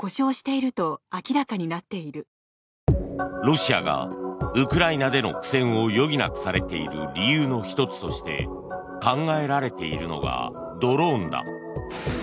ロシアがウクライナでの苦戦を余儀なくされている理由の１つとして考えられているのがドローンだ。